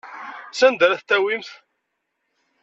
Sanda ara t-tawimt?